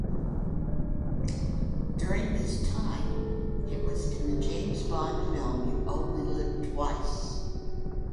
During this time it was in the James Bond film "You Only Live Twice".